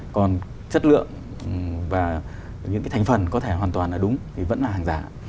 còn chất lượng và những cái thành phần có thể hoàn toàn là đúng thì vẫn là hàng giả